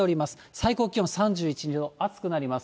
最高気温３１、２度、暑くなります。